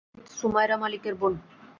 তিনি রাজনীতিবিদ সুমাইরা মালিকের বোন।